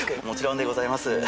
もちろんでございます。